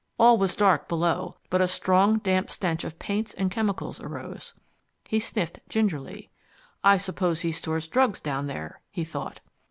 All was dark below, but a strong, damp stench of paints and chemicals arose. He sniffed gingerly. "I suppose he stores drugs down there," he thought.